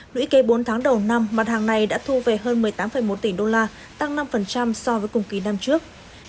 lũy kế bốn tháng đầu năm mặt hàng này đã thu về hơn một mươi tám một tỷ đô la tăng năm so với cùng kỳ năm trước